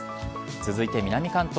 続いて南関東。